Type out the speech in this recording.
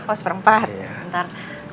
oh seperempat sebentar